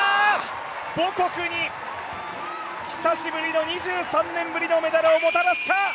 母国に久しぶりの２３年ぶりのメダルをもたらすか！